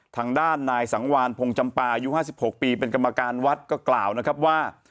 ทางด้านนายสังวานพงจำปาอายุ๕๖ปีเป็นกรรมการวัดก็กล่าวนะครับว่า